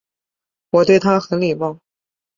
我对他很礼貌